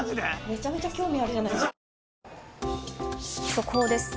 速報です。